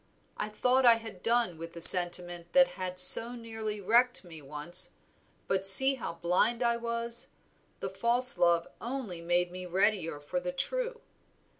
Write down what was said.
I thought I had done with the sentiment that had so nearly wrecked me once, but see how blind I was the false love only made me readier for the true.